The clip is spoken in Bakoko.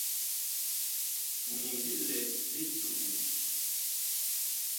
Mi ngi lɛ li suguu.